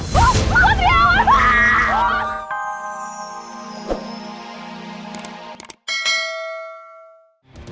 put dia awal